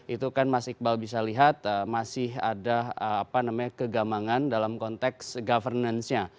itu kan mas iqbal bisa lihat masih ada kegamangan dalam konteks governance nya